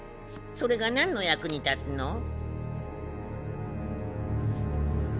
それが何の役に立つの？